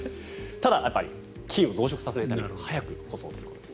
ただ菌を増殖させないために早く干そうということです。